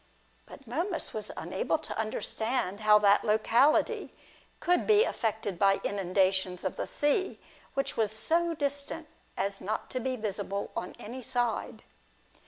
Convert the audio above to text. But Momus was unable to understand how that locality could be affected by inundations of the sea, which was so distant as not to be visible on any side.